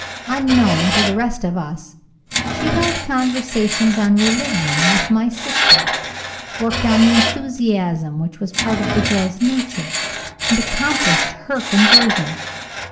Unknown to the rest of us, she held conversations on religion with my sister worked on the enthusiasm which was part of the girl's nature and accomplished her conversion.